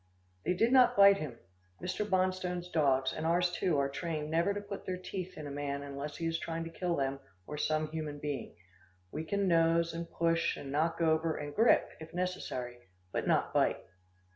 They did not bite him. Mr. Bonstone's dogs, and ours too, are trained never to put their teeth in a man unless he is trying to kill them, or some human being. We can nose, and push, and knock over, and grip, if necessary, but not bite.